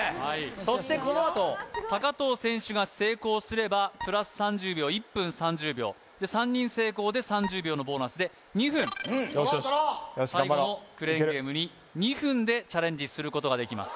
そしてこのあと藤選手が成功すればプラス３０秒１分３０秒で３人成功で３０秒のボーナスで２分よしよし最後のクレーンゲームに２分でチャレンジすることができます